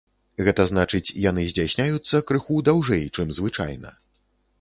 Гэта значыць, яны здзяйсняюцца крыху даўжэй, чым звычайна.